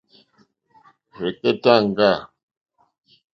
Rzɛ̀kɛ́táŋɡâ.